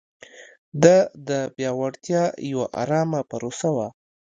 دا د پیاوړتیا یوه ارامه پروسه وه.